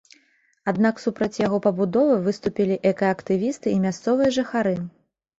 Аднак супраць яго пабудовы выступілі экаактывісты і мясцовыя жыхары.